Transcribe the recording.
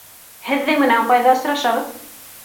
Һеҙҙең менән ҡайҙа осрашабыҙ?